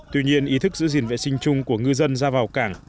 tuy nhiên ý thức giữ gìn vệ sinh chung của ngư dân ra vào cảng